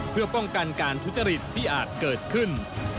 เพื่อป้องกันการทุจริตที่อาจเกิดขึ้น